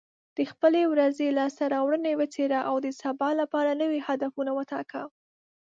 د خپلې ورځې لاسته راوړنې وڅېړه، او د سبا لپاره نوي هدفونه وټاکه.